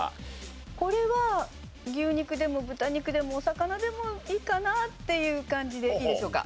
これは牛肉でも豚肉でもお魚でもいいかなっていう感じでいいでしょうか？